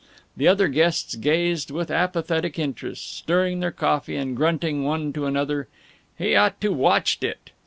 The other guests gazed with apathetic interest, stirring their coffee and grunting one to another, "He ought to watched it."